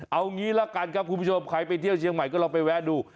เอางี้ละกันครับคุณผู้ชมใครไปเที่ยวเชียงใหม่ก็ลองไปแวะดู